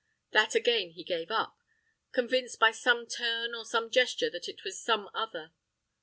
That again he gave up, convinced by some turn or some gesture that it was some other.